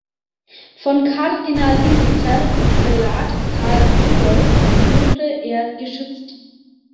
Von Kardinal Innitzer und Prälat Karl Rudolf wurde er geschützt.